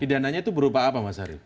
pidananya itu berupa apa mas arief